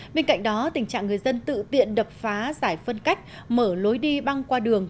bên cạnh đó tình trạng người dân tự tiện đập phá giải phân cách mở lối đi băng qua đường